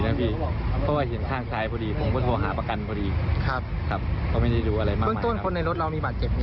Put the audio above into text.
ข้างต้นคนในรถเรามีบัสเจ็บมั้ยพี่